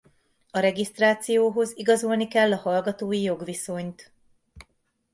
A regisztrációhoz igazolni kell a hallgatói jogviszonyt.